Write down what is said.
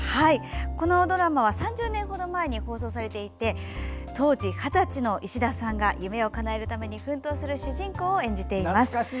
このドラマは３０年程前に放送されていて当時、二十歳の石田さんが夢をかなえるために奮闘する主人公を演じています。